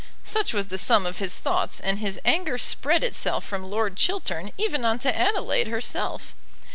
Such was the sum of his thoughts, and his anger spread itself from Lord Chiltern even on to Adelaide herself.